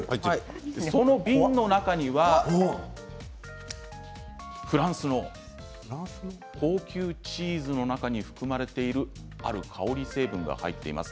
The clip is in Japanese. その瓶の中にはフランスの高級チーズの中に含まれているある香り成分が入っています。